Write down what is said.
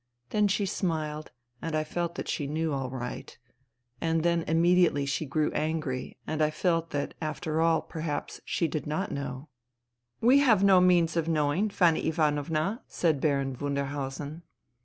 Then she smiled and I felt that she knev all right ; and then immediately she grew angry and I felt that after all, perhaps, she did not know " We have no means of knowing, Fanny Ivanovna,' said Baron Wunderhausen.